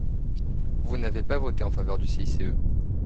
Vous n’avez pas voté en faveur du CICE